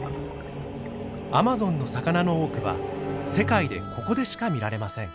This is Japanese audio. アマゾンの魚の多くは世界でここでしか見られません。